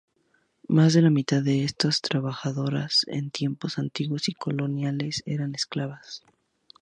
Más de la mitad de estas trabajadoras en tiempos antiguos y coloniales eran esclavas.